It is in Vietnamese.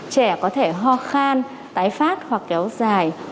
trẻ có thể ho khan tái phát hoặc kéo dài